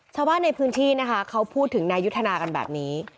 ชาวบ้านในพื้นที่นะคะเขาพูดถึงนายุทธนากันแบบนี้